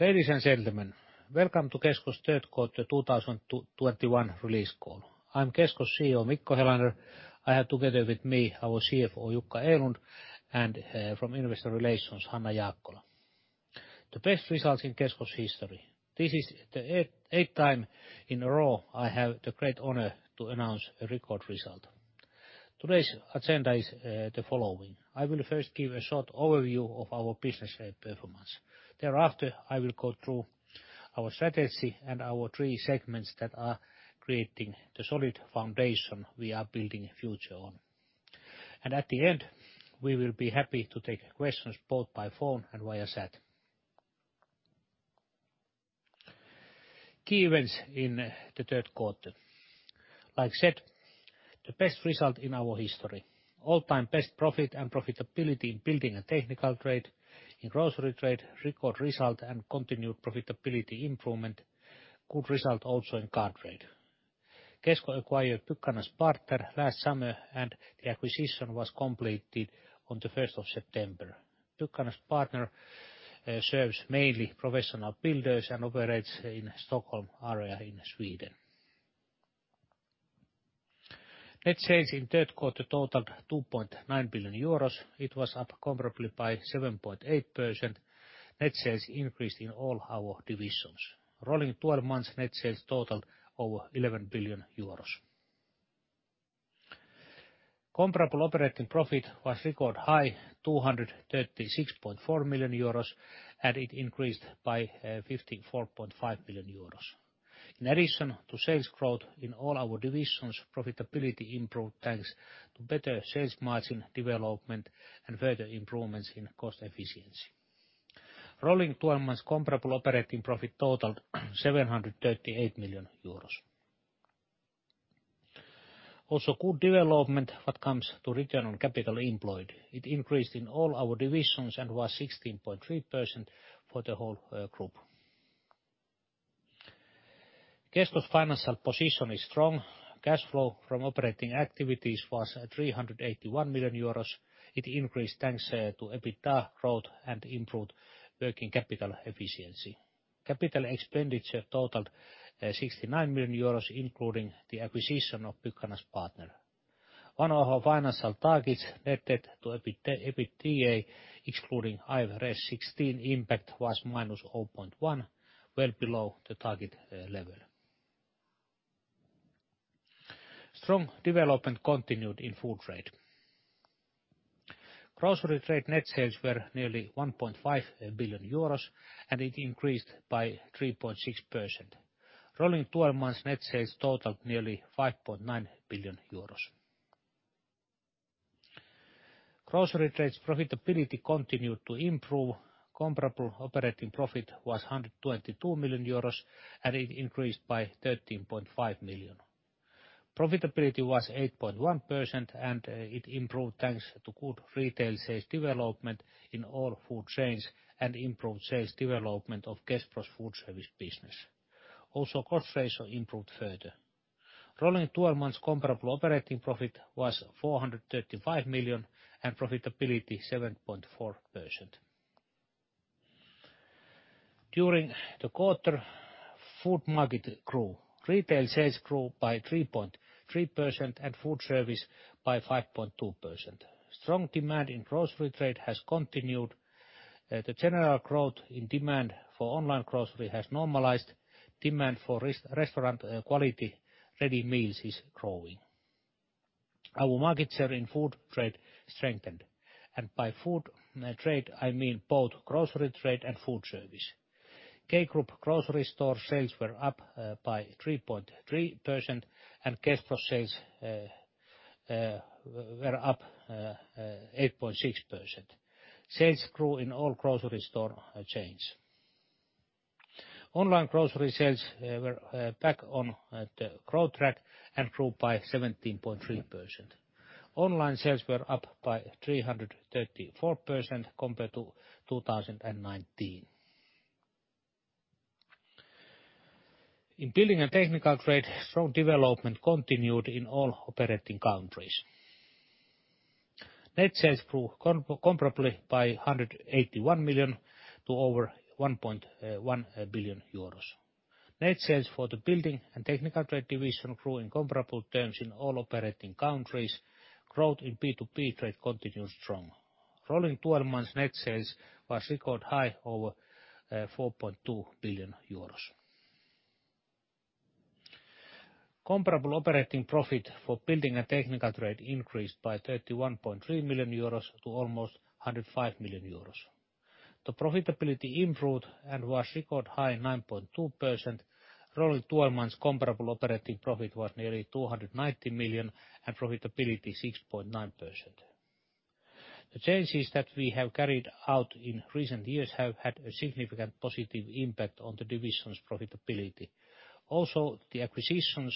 Ladies and gentlemen, welcome to Kesko's Q3 2021 release call. I'm Kesko's CEO, Mikko Helander. I have together with me our CFO, Jukka Erlund, and from Investor Relations, Hanna Jaakkola. The best results in Kesko's history. This is the eighth time in a row I have the great honor to announce a record result. Today's agenda is the following: I will first give a short overview of our business performance. Thereafter, I will go through our strategy and our three segments that are creating the solid foundation we are building future on. At the end, we will be happy to take questions both by phone and via chat. Key events in the Q3. As said, the best result in our history. All-time best profit and profitability in building and technical trade. In grocery trade, record result and continued profitability improvement. Good result also in car trade. Kesko acquired Byggarnas Partner last summer, and the acquisition was completed on the 1st September. Byggarnas Partner serves mainly professional builders and operates in Stockholm area in Sweden. Net sales in Q3 totaled 2.9 billion euros. It was up comparably by 7.8%. Net sales increased in all our divisions. Rolling 12 months net sales totaled over 11 billion euros. Comparable operating profit was record high, 236.4 million euros, and it increased by 54.5 million euros. In addition to sales growth in all our divisions, profitability improved, thanks to better sales margin development and further improvements in cost efficiency. Rolling 12 months comparable operating profit totaled 738 million euros. Also good development when it comes to return on capital employed. It increased in all our divisions and was 16.3% for the whole group. Kesko's financial position is strong. Cash flow from operating activities was 381 million euros. It increased thanks to EBITDA growth and improved working capital efficiency. Capital expenditure totaled 69 million euros, including the acquisition of Byggarnas Partner. One of our financial targets, net debt to EBITDA excluding IFRS 16 impact was -0.1, well below the target level. Strong development continued in food trade. Grocery trade net sales were nearly 1.5 billion euros, and it increased by 3.6%. Rolling 12 months net sales totaled nearly EUR 5.9 billion. Grocery trade's profitability continued to improve. Comparable operating profit was 122 million euros, and it increased by 13.5 million. Profitability was 8.1%, and it improved, thanks to good retail sales development in all food chains and improved sales development of Kespro's foodservice business. Also, cost ratio improved further. Rolling 12 months comparable operating profit was 435 million and profitability 7.4%. During the quarter, food market grew. Retail sales grew by 3.3% and foodservice by 5.2%. Strong demand in grocery trade has continued. The general growth in demand for online grocery has normalized. Demand for restaurant quality ready meals is growing. Our market share in food trade strengthened. By food trade, I mean both grocery trade and foodservice. K-Group grocery store sales were up by 3.3%, and Kespro's sales were up 8.6%. Sales grew in all grocery store chains. Online grocery sales were back on the growth track and grew by 17.3%. Online sales were up by 334% compared to 2019. In building and technical trade, strong development continued in all operating countries. Net sales grew comparably by 181 million to over 1.1 billion euros. Net sales for the building and technical trade division grew in comparable terms in all operating countries. Growth in B2B trade continued strong. Rolling 12 months net sales was record high, over 4.2 billion euros. Comparable operating profit for building and technical trade increased by 31.3 million euros to almost 105 million euros. The profitability improved and was record high, 9.2%. Rolling 12 months comparable operating profit was nearly 290 million and profitability 6.9%. The changes that we have carried out in recent years have had a significant positive impact on the division's profitability. Also, the acquisitions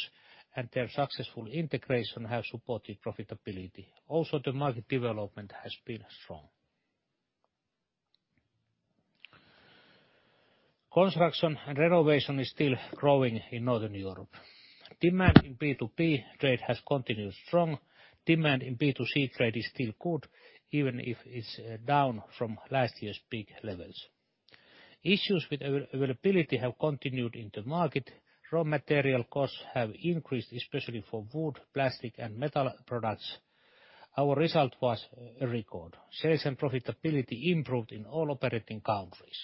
and their successful integration have supported profitability. Also, the market development has been strong. Construction and renovation is still growing in Northern Europe. Demand in B2B trade has continued strong. Demand in B2C trade is still good, even if it's down from last year's peak levels. Issues with availability have continued in the market. Raw material costs have increased, especially for wood, plastic and metal products. Our result was a record. Sales and profitability improved in all operating countries.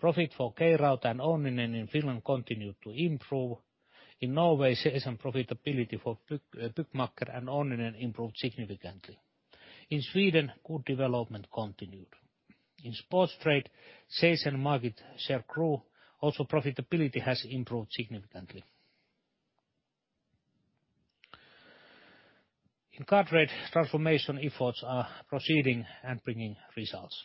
Profit for K-Rauta and Onninen in Finland continued to improve. In Norway, sales and profitability for Byggmakker and Onninen improved significantly. In Sweden, good development continued. In sports trade, sales and market share grew. Also, profitability has improved significantly. In car trade, transformation efforts are proceeding and bringing results.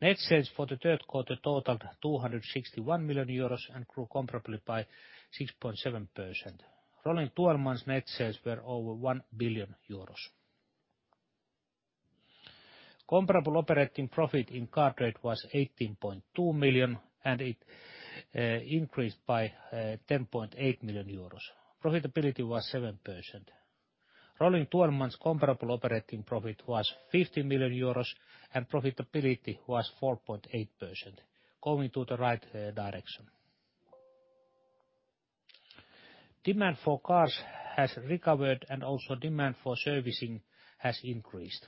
Net sales for the Q3 totaled 261 million euros and grew comparable by 6.7%. Rolling two months net sales were over 1 billion euros. Comparable operating profit in car trade was 18.2 million, and it increased by 10.8 million euros. Profitability was 7%. Rolling two months comparable operating profit was 50 million euros and profitability was 4.8% going in the right direction. Demand for cars has recovered and also demand for servicing has increased.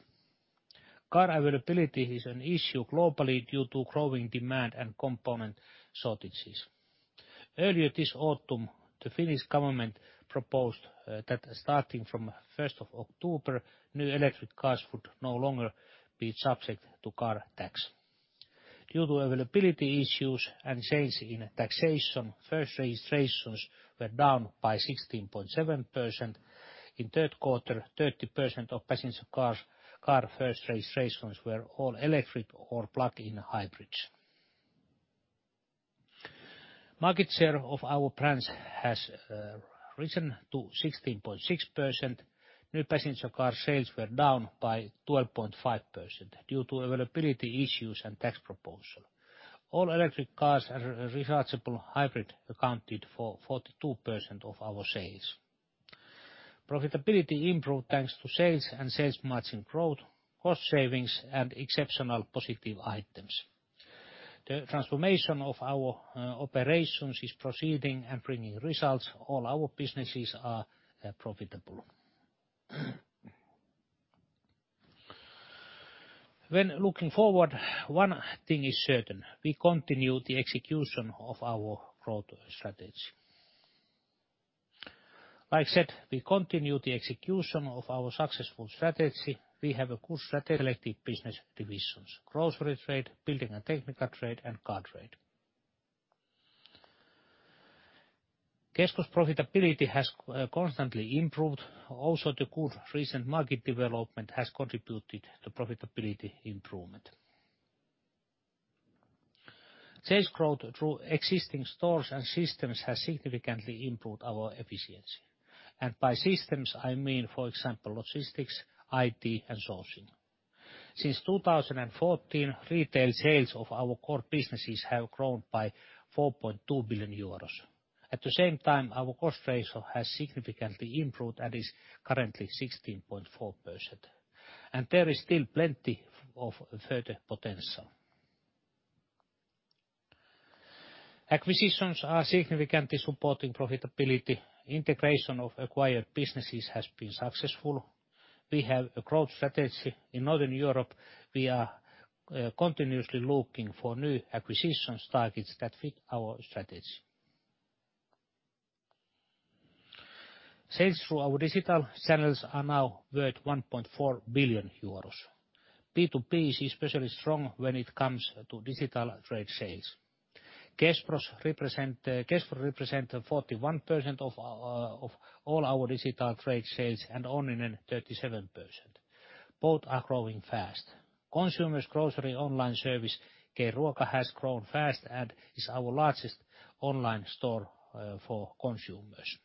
Car availability is an issue globally due to growing demand and component shortages. Earlier this autumn, the Finnish government proposed that starting from 1st of October, new electric cars would no longer be subject to car tax. Due to availability issues and change in taxation, first registrations were down by 16.7%. In Q3, 30% of passenger cars, car first registrations were all electric or plug-in hybrids. Market share of our brands has risen to 16.6%. New passenger car sales were down by 12.5% due to availability issues and tax proposal. All electric cars and rechargeable hybrid accounted for 42% of our sales. Profitability improved thanks to sales and sales margin growth, cost savings and exceptional positive items. The transformation of our operations is proceeding and bringing results. All our businesses are profitable. When looking forward, one thing is certain, we continue the execution of our growth strategy. As said, we continue the execution of our successful strategy. We have a good strategy business divisions, grocery trade, building and technical trade, and car trade. Kesko's profitability has constantly improved. Also, the good recent market development has contributed to profitability improvement. Sales growth through existing stores and systems has significantly improved our efficiency. By systems, I mean for example, logistics, IT, and sourcing. Since 2014, retail sales of our core businesses have grown by 4.2 billion euros. At the same time, our cost ratio has significantly improved and is currently 16.4%, and there is still plenty of further potential. Acquisitions are significantly supporting profitability. Integration of acquired businesses has been successful. We have a growth strategy in Northern Europe. We are continuously looking for new acquisition targets that fit our strategy. Sales through our digital channels are now worth 1.4 billion euros. B2B is especially strong when it comes to digital trade sales. Kespro represents 41% of all our digital trade sales and Onninen 37%. Both are growing fast. Consumers grocery online service, K-Ruoka, has grown fast and is our largest online store for consumers.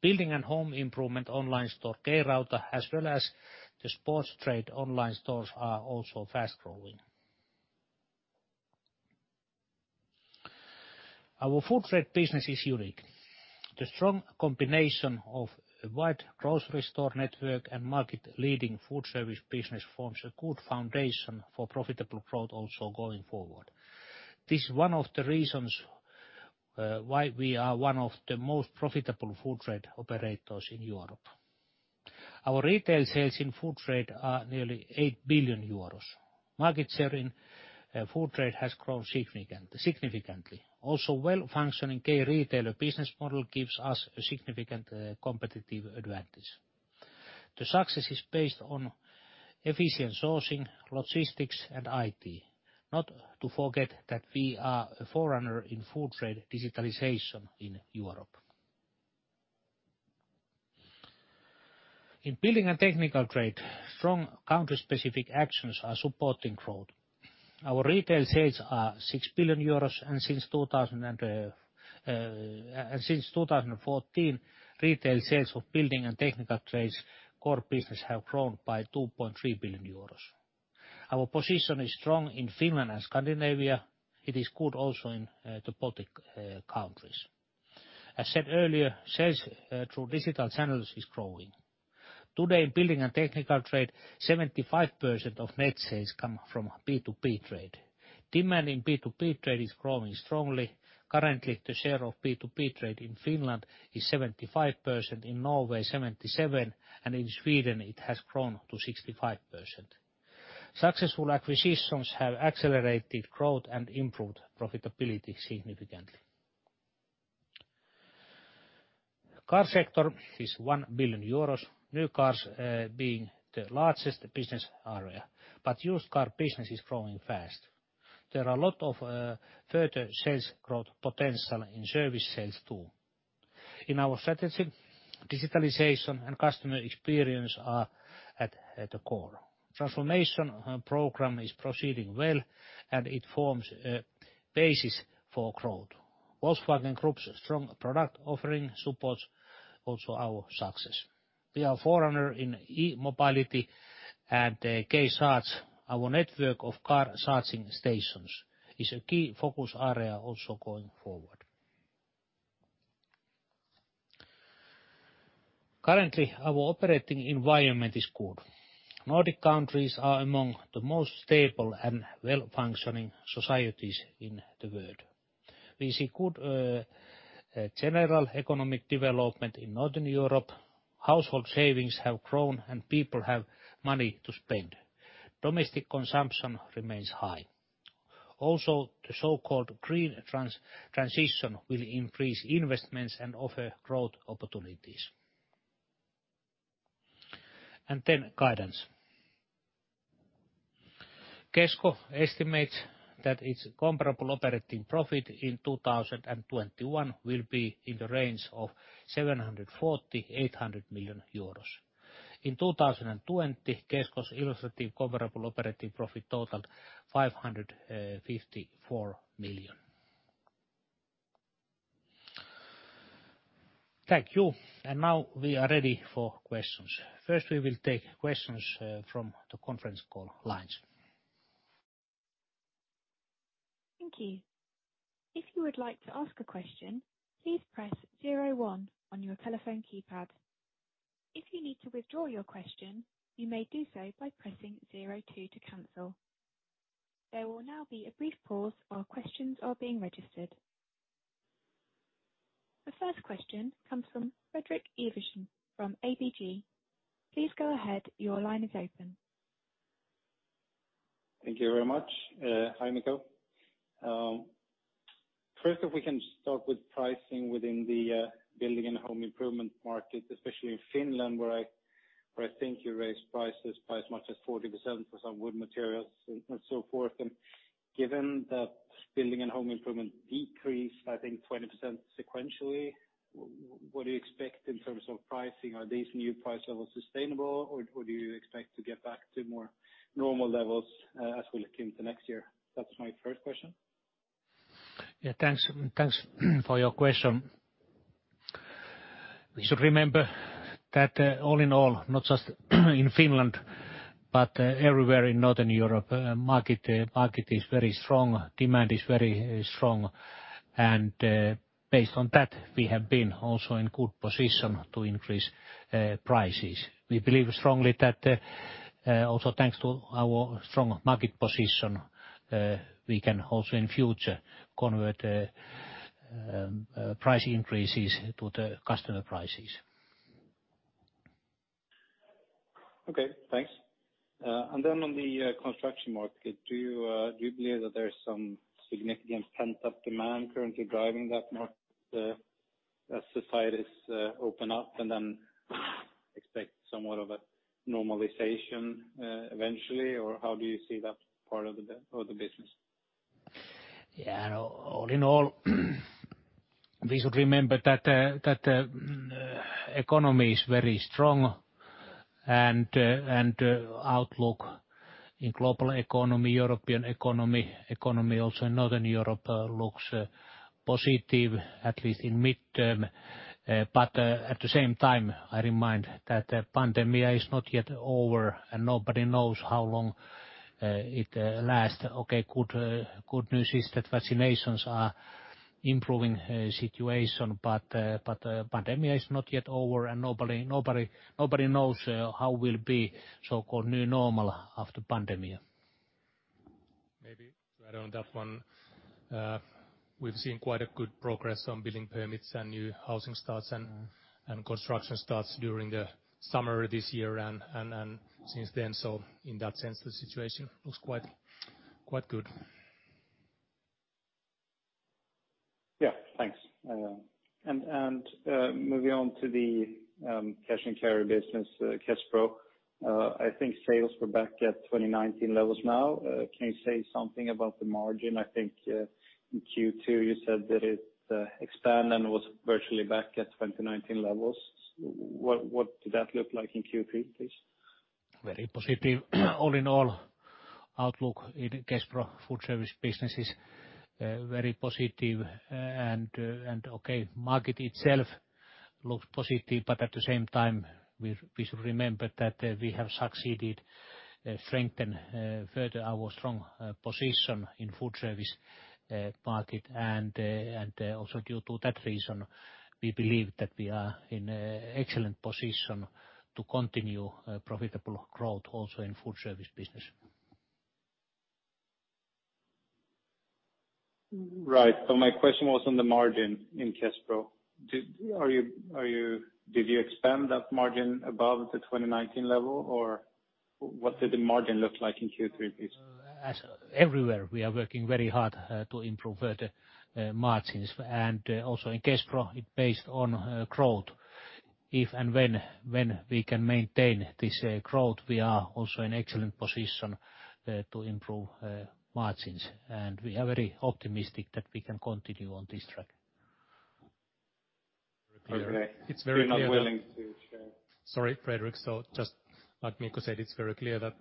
Building and home improvement online store, K-Rauta, as well as the sports trade online stores are also fast growing. Our food trade business is unique. The strong combination of a wide grocery store network and market-leading food service business forms a good foundation for profitable growth also going forward. This is one of the reasons why we are one of the most profitable food trade operators in Europe. Our retail sales in food trade are nearly 8 billion euros. Market share in food trade has grown significantly. Also, well-functioning K-retailer business model gives us a significant competitive advantage. The success is based on efficient sourcing, logistics and IT. Not to forget that we are a forerunner in food trade digitalization in Europe. In building and technical trade, strong country-specific actions are supporting growth. Our retail sales are 6 billion euros and since 2014, retail sales of building and technical trades core business have grown by 2.3 billion euros. Our position is strong in Finland and Scandinavia. It is good also in the Baltic countries. As said earlier, sales through digital channels is growing. Today, in building and technical trade, 75% of net sales come from B2B trade. Demand in B2B trade is growing strongly. Currently, the share of B2B trade in Finland is 75%, in Norway 77%, and in Sweden it has grown to 65%. Successful acquisitions have accelerated growth and improved profitability significantly. Car sector is 1 billion euros, new cars being the largest business area, but used car business is growing fast. There are a lot of further sales growth potential in service sales too. In our strategy, digitalization and customer experience are at the core. Transformation program is proceeding well and it forms a basis for growth. Volkswagen Group's strong product offering supports also our success. We are a forerunner in e-mobility and K-Charge, our network of car charging stations, is a key focus area also going forward. Currently, our operating environment is good. Nordic countries are among the most stable and well-functioning societies in the world. We see good general economic development in Northern Europe. Household savings have grown, and people have money to spend. Domestic consumption remains high. Also, the so-called green transition will increase investments and offer growth opportunities. Guidance. Kesko estimates that its comparable operating profit in 2021 will be in the range of 740 million-800 million euros. In 2020, Kesko's illustrative comparable operating profit totaled EUR 554 million. Thank you. Now we are ready for questions. First, we will take questions from the conference call lines. Thank you. If you would like to ask a question, please press zero one on your telephone keypad. If you need to withdraw your question, you may do so by pressing zero two to cancel. There will now be a brief pause while questions are being registered. The first question comes from Fredrik Ivarsson from ABG. Please go ahead. Your line is open. Thank you very much. Hi, Mikko. First, if we can start with pricing within the building and home improvement market, especially in Finland, where I think you raised prices by as much as 40% for some wood materials and so forth. Given that building and home improvement decreased, I think 20% sequentially, what do you expect in terms of pricing? Are these new price levels sustainable, or do you expect to get back to more normal levels as we look into next year? That's my first question. Yeah, thanks for your question. We should remember that, all in all, not just in Finland, but everywhere in Northern Europe, market is very strong, demand is very strong. Based on that, we have been also in good position to increase prices. We believe strongly that, also thanks to our strong market position, we can also in future convert price increases to the customer prices. Okay, thanks. On the construction market, do you believe that there's some significant pent-up demand currently driving that market as societies open up and then expect somewhat of a normalization eventually? Or how do you see that part of the business? All in all, we should remember that the economy is very strong and the outlook in global economy, European economy also in Northern Europe looks positive, at least in midterm. At the same time, I remind that the pandemic is not yet over, and nobody knows how long it last. Okay, good news is that vaccinations are improving situation. The pandemic is not yet over, and nobody knows how will be so-called new normal after pandemic. Maybe to add on that one, we've seen quite a good progress on building permits and new housing starts. Mm-hmm. Construction starts during the summer this year and since then. In that sense, the situation looks quite good. Yeah, thanks. Moving on to the cash and carry business, Kespro. I think sales were back at 2019 levels now. Can you say something about the margin? I think in Q2 you said that it expanded and was virtually back at 2019 levels. What did that look like in Q3, please? Very positive. All in all, outlook in Kespro food service business is very positive. And okay, market itself looks positive, but at the same time, we should remember that we have succeeded strengthen further our strong position in food service market. Also due to that reason, we believe that we are in a excellent position to continue profitable growth also in food service business. Right. My question was on the margin in Kespro. Did you expand that margin above the 2019 level, or what did the margin look like in Q3 please? As everywhere, we are working very hard to improve further margins. Also in Kespro, it's based on growth. If and when we can maintain this growth, we are also in an excellent position to improve margins. We are very optimistic that we can continue on this track. Okay. It's very clear that. You're not willing to share. Sorry, Fredrik. Just like Mikko said, it's very clear that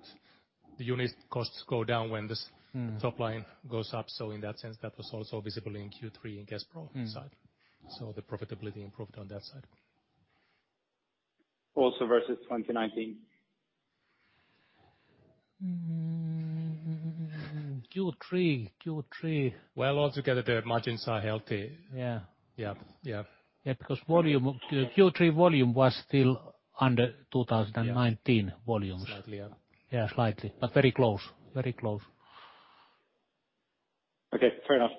the unit costs go down when this- Mm. Top line goes up. In that sense, that was also visible in Q3 in Kespro side. Mm. The profitability improved on that side. Also versus 2019. Q3. Well, altogether the margins are healthy. Yeah. Yeah, yeah. Yeah, because Q3 volume was still under 2019- Yeah. -volumes. Slightly, yeah. Yeah, slightly, but very close. Very close. Okay, fair enough.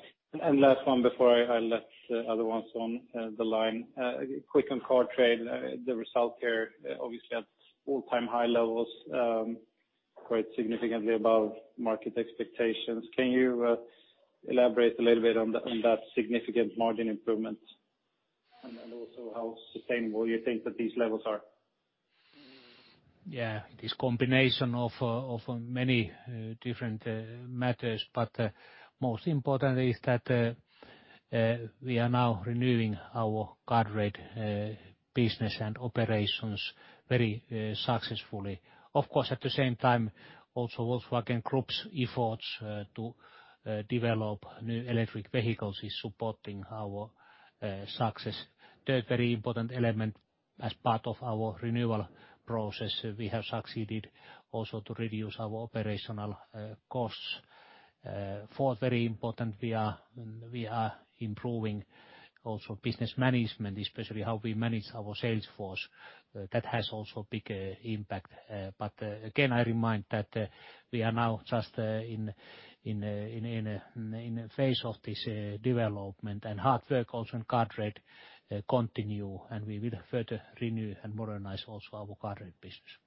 Last one before I let other ones on the line. Quick on car trade. The result here, obviously at all-time high levels, quite significantly above market expectations. Can you elaborate a little bit on that significant margin improvement? Then also how sustainable you think that these levels are. Yeah. It is combination of many different matters, but most important is that we are now renewing our car trade business and operations very successfully. Of course, at the same time, also Volkswagen Group's efforts to develop new electric vehicles is supporting our success. The very important element as part of our renewal process, we have succeeded also to reduce our operational costs. Fourth very important we are improving also business management, especially how we manage our sales force. That has also big impact. Again, I remind that we are now just in phase of this development and hard work also in car trade continue, and we will further renew and modernize also our car trade business.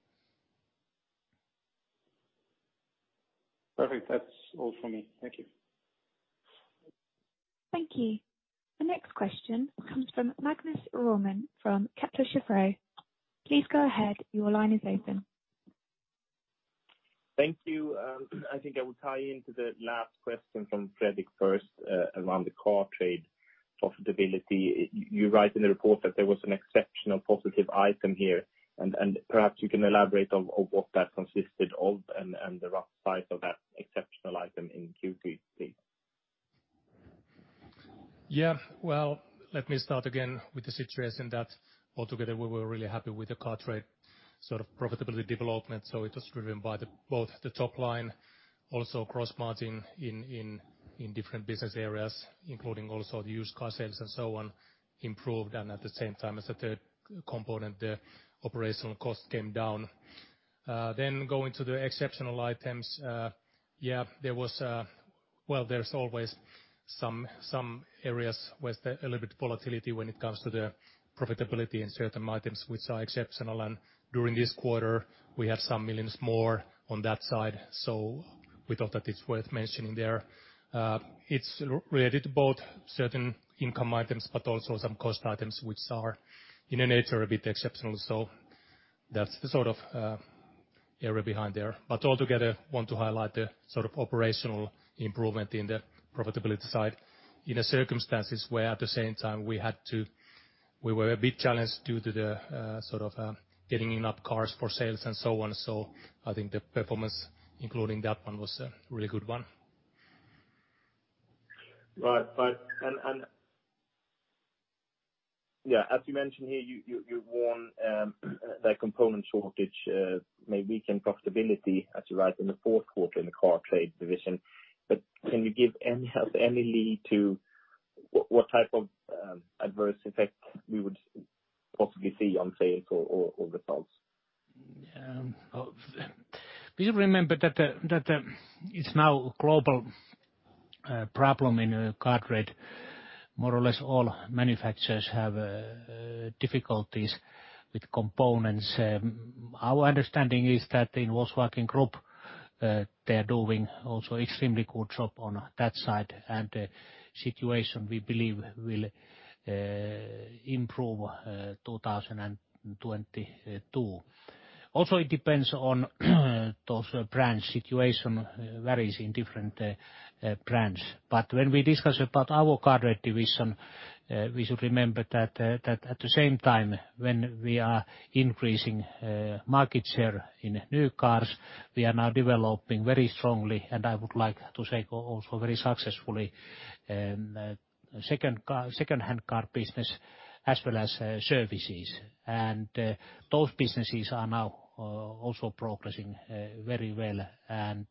Perfect. That's all for me. Thank you. Thank you. The next question comes from Magnus Råman from Kepler Cheuvreux. Please go ahead. Your line is open. Thank you. I think I will tie into the last question from Fredrik first, around the car trade profitability. You write in the report that there was an exceptional positive item here, and perhaps you can elaborate on what that consisted of and the rough size of that exceptional item in Q3, please. Yeah. Well, let me start again with the situation that altogether we were really happy with the car trade sort of profitability development. It was driven by both the top line, also gross margin in different business areas, including also the used car sales and so on, improved. At the same time, as a third component, the operational cost came down. Then going to the exceptional items, yeah, there was. Well, there's always some areas with a little bit volatility when it comes to the profitability in certain items which are exceptional. During this quarter, we have some millions more on that side. We thought that it's worth mentioning there. It's related to both certain income items, but also some cost items which are of a nature a bit exceptional. That's the sort of area behind there. Altogether, I want to highlight the sort of operational improvement in the profitability side in the circumstances where at the same time we were a bit challenged due to the sort of getting new cars for sales and so on. I think the performance, including that one, was a really good one. Yeah, as you mentioned here, you've warned that component shortage may weaken profitability as you write in the Q4 in the car trade division. Can you give any help, any lead to what type of adverse effect we would possibly see on sales or results? Please remember that it's now a global problem in car trade. More or less all manufacturers have difficulties with components. Our understanding is that in Volkswagen Group, they're doing also an extremely good job on that side. The situation, we believe will improve in 2022. Also, it depends on those brand situations varying in different brands. When we discuss our car trade division, we should remember that at the same time, when we are increasing market share in new cars, we are now developing very strongly, and I would like to say also very successfully, second-hand car business as well as services. Those businesses are now also progressing very well and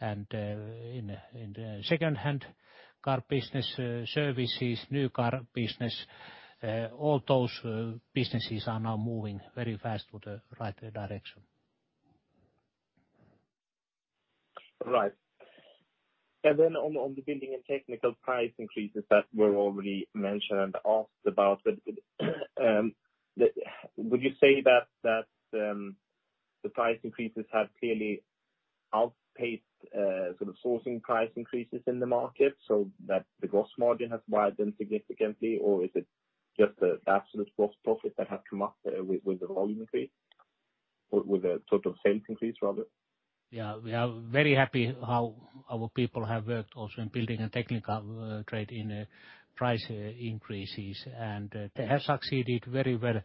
in the second-hand car business, services, new car business, all those businesses are now moving very fast in the right direction. Right. On the building and technical price increases that were already mentioned and asked about, would you say that the price increases have clearly outpaced sort of sourcing price increases in the market so that the gross margin has widened significantly? Or is it just the absolute gross profit that has come up with the volume increase, with the total sales increase, rather? Yeah. We are very happy how our people have worked also in building and technical trade in price increases, and they have succeeded very well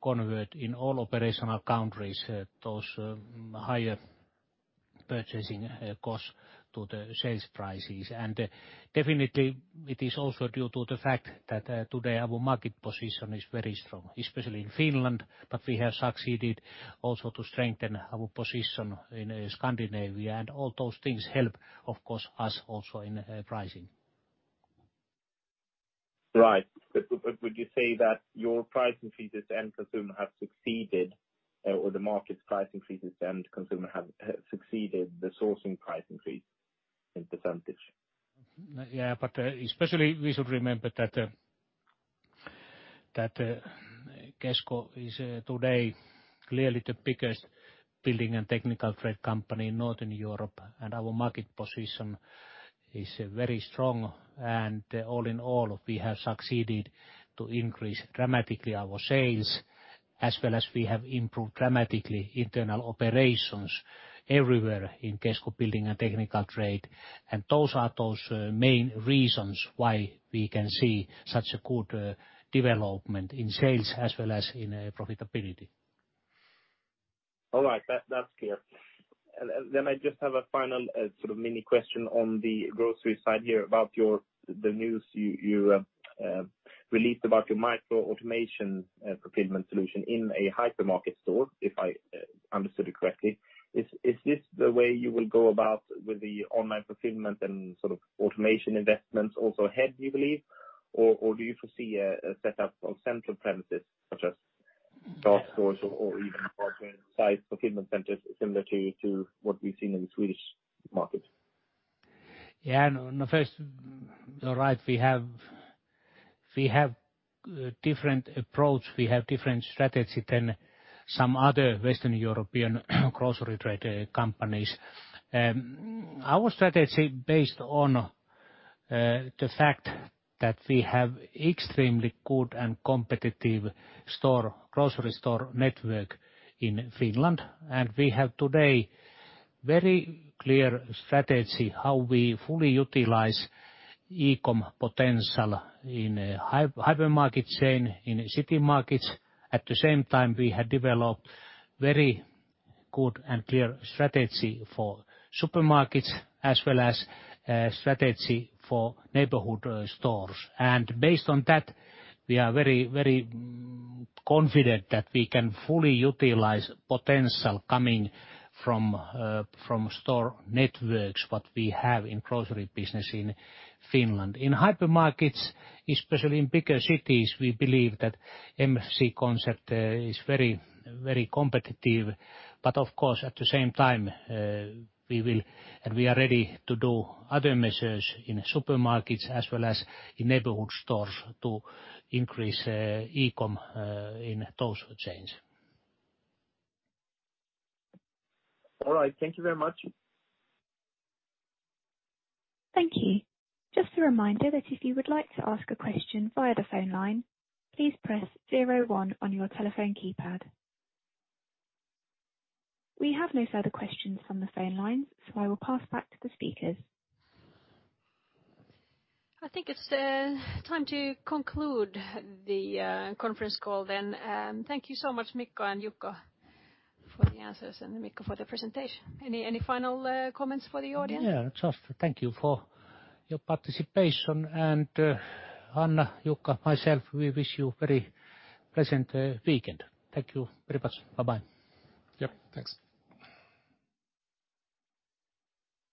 to convert in all operational countries those higher purchasing costs to the sales prices. Definitely, it is also due to the fact that today our market position is very strong, especially in Finland, but we have succeeded also to strengthen our position in Scandinavia. All those things help, of course, us also in pricing. Right. Would you say that your price increases to end consumer have succeeded or the market's price increases to end consumer have succeeded the sourcing price increase in percentage? Yeah, especially we should remember that Kesko is today clearly the biggest building and technical trade company in Northern Europe, and our market position is very strong. All in all, we have succeeded to increase dramatically our sales, as well as we have improved dramatically internal operations everywhere in Kesko building and technical trade. Those are the main reasons why we can see such a good development in sales as well as in profitability. All right. That's clear. I just have a final sort of mini question on the grocery side here about the news you released about your micro automation fulfillment solution in a hypermarket store, if I understood it correctly. Is this the way you will go about with the online fulfillment and sort of automation investments also ahead, do you believe? Or do you foresee a set up on central premises such as dark stores or even larger site fulfillment centers similar to what we've seen in the Swedish market? Yeah. No, first, you're right, we have different approach, we have different strategy than some other Western European grocery trade companies. Our strategy based on the fact that we have extremely good and competitive grocery store network in Finland. We have today very clear strategy how we fully utilize e-com potential in hypermarket chain, in K-Citymarket. At the same time, we have developed very good and clear strategy for supermarkets as well as strategy for neighborhood stores. Based on that, we are very, very confident that we can fully utilize potential coming from store networks that we have in grocery business in Finland. In hypermarkets, especially in bigger cities, we believe that MFC concept is very, very competitive. Of course, at the same time, we will and we are ready to do other measures in supermarkets as well as in neighborhood stores to increase e-com in those chains. All right. Thank you very much. Thank you. Just a reminder that if you would like to ask a question via the phone line, please press zero one on your telephone keypad. We have no further questions from the phone lines, so I will pass back to the speakers. I think it's time to conclude the conference call then. Thank you so much, Mikko and Jukka, for the answers, and Mikko for the presentation. Any final comments for the audience? Yeah, just thank you for your participation. Hanna, Jukka, myself, we wish you very pleasant weekend. Thank you very much. Bye-bye. Yep. Thanks.